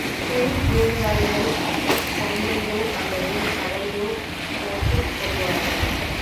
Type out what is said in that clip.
பெண் வேடதாரிகள் கொண்டையோ அல்லது சடையோ போட்டுக் கொள்வார்கள்.